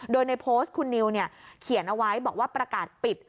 โดยในโพสต์คุณนิวเขียนเอาไว้บอกว่าประกาศปิด